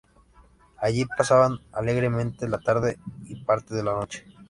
Allí pasaban alegremente la tarde y parte de la noche.